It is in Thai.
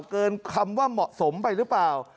เกินคำว่าเหมาะสมไปหรือเปล่า